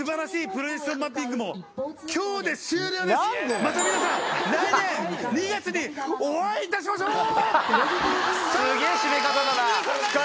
また皆さん来年２月にお会いいたしましょう！さようなら！